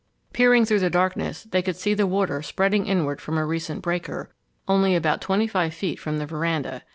Peering through the darkness, they could see the water spreading inward from a recent breaker, only about twenty five feet from the veranda.